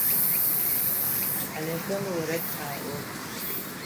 Кӏалэхэм орэд къаӏо.